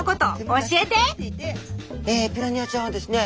えピラニアちゃんはですね